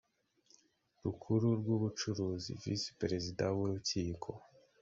rukuru rw ubucuruzi visi perezida w urukiko